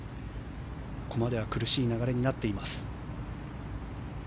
ここまでは苦しい流れになっています。